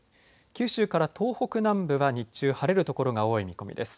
九州から東北南部は日中、晴れる所が多い見込みです。